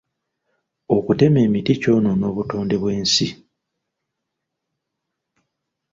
Okutema emiti kyonoona obutonde bw'ensi.